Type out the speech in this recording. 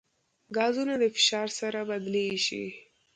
ګازونه د فشار سره بدلېږي.